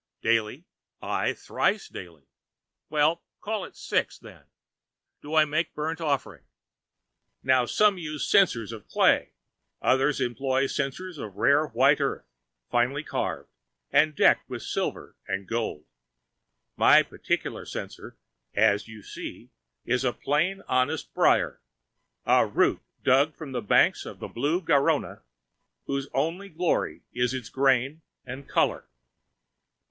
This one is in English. Daily, aye, thrice daily—well, call it six, then—do I make burnt offering. Now some use censers of clay, others employ censers of rare white earth finely carved and decked with silver and gold. My particular censer, as you see, is a plain, honest briar, a root dug from the banks of the blue Garonne, whose only glory is its grain and color.